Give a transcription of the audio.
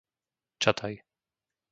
Čataj